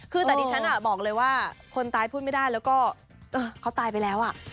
คือแต่ดิฉันบอกเลยว่าคนตายพูดไม่ได้แล้วก็เขาตายไปแล้ว